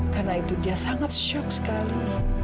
karena itu dia sangat terkejut sekali